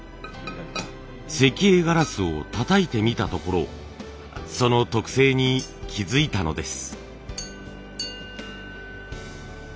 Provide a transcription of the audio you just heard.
石英ガラスをたたいてみたところその特性に気付いたのです。